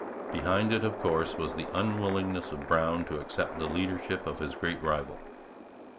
Behind it, of course, was the unwillingness of Brown to accept the leadership of his great rival.